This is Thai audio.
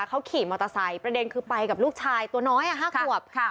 เขาขี่มอเตอร์ไซค์ประเด็นคือไปกับลูกชายตัวน้อย๕ขวบ